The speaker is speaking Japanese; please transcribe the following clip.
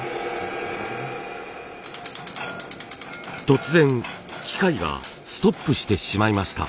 突然機械がストップしてしまいました。